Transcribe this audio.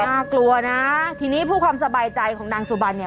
น่ากลัวนะทีนี้เพื่อความสบายใจของนางสุบันเนี่ย